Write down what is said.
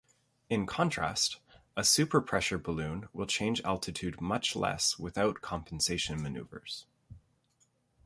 In contrast, a superpressure balloon will change altitude much less without compensation maneuvers.